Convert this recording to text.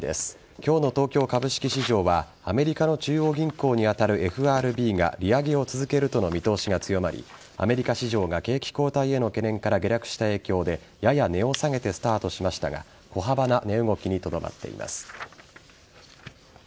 今日の東京株式市場はアメリカの中央銀行に当たるＦＲＢが利上げを続けるとの見通しが強まりアメリカ市場が景気後退への懸念から下落した影響でやや値を下げてスタートしましたが小幅な値動きにとどまっています。